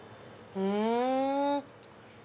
うん！